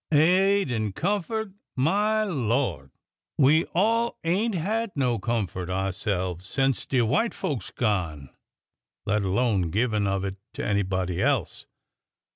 Aid an' comfort ! My Lord ! we all ain't had no com fort ourse'ves sence de white folks gone, let alone givin' of it to anybody else.